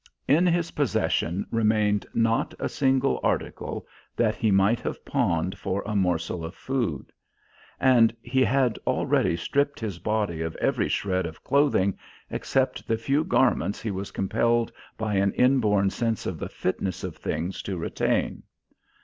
In his possession remained not a single article that he might have pawned for a morsel of food. And he had already stripped his body of every shred of clothing except the few garments he was compelled by an inborn sense of the fitness of things to retain.